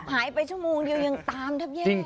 หายไปชั่วโมงเดียวยังตามทำแย่จริง